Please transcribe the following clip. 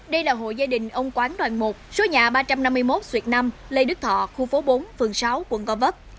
đây là hộ gia đình ông quán đoàn một số nhà ba trăm năm mươi một xuyệt năm lê đức thọ khu phố bốn phường sáu quận gò vấp